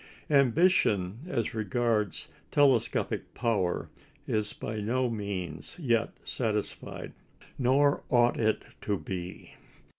Ambition as regards telescopic power is by no means yet satisfied. Nor ought it to be.